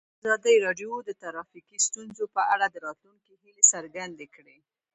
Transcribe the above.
ازادي راډیو د ټرافیکي ستونزې په اړه د راتلونکي هیلې څرګندې کړې.